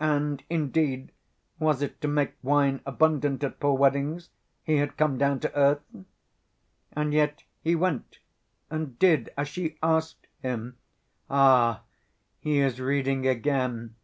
And, indeed, was it to make wine abundant at poor weddings He had come down to earth? And yet He went and did as she asked Him.... Ah, he is reading again"....